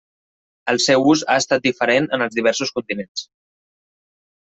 El seu ús ha estat diferent en els diversos continents.